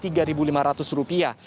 dimana untuk yang layanan berbayar